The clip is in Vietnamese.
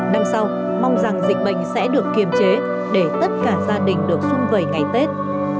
năm sau mong rằng dịch bệnh sẽ được kiềm chế để tất cả gia đình được xung vầy ngày tết